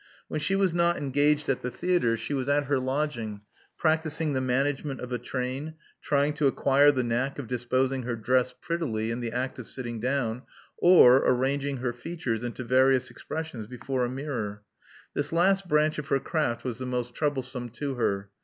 When she was not engaged at the theatre she was at her lodging, practis ing the management of a train, tiying to acquire the knack of disposing her dress prettily in the act of sit ting down, or arranging her features into various expressions before a mirror. This last branch of her craft was the most troublesome to her.